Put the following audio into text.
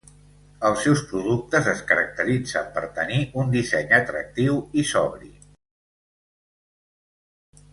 Els seus productes es caracteritzen per tenir un disseny atractiu i sobri.